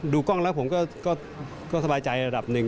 กล้องแล้วผมก็สบายใจระดับหนึ่ง